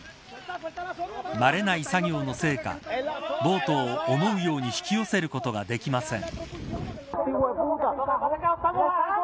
慣れない作業のせいかボートを思うように引き寄せることができません。